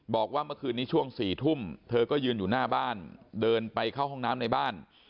บอกว่าเมื่อคืนนี้ช่วง๔ทุ่มเธอก็ยืนอยู่หน้าบ้านเดินไปเข้าห้องน้ำในบ้าน